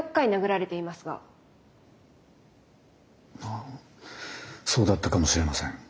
あそうだったかもしれません。